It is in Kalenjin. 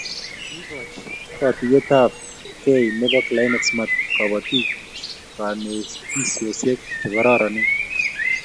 Kikokoch katuiyeyabkei nebo Climate Smart kobotik konetisiosek che kororonen